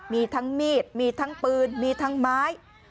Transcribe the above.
มีทั้งมีดมีทั้งปืนมีทั้งไม้